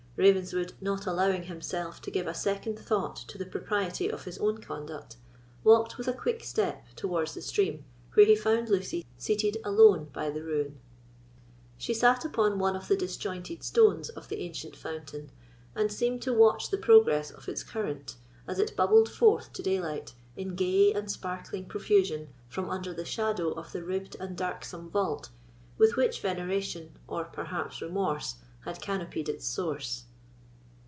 Ravenswood, not allowing himself to give a second thought to the propriety of his own conduct, walked with a quick step towards the stream, where he found Lucy seated alone by the ruin. She sate upon one of the disjointed stones of the ancient fountain, and seemed to watch the progress of its current, as it bubbled forth to daylight, in gay and sparkling profusion, from under the shadow of the ribbed and darksome vault, with which veneration, or perhaps remorse, had canopied its source.